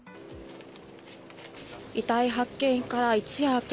遺体発見から一夜明け